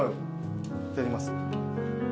いただきます。